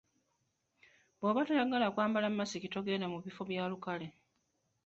Bw'oba toyagala kwambala masiki togenda mu bifo by'olukale.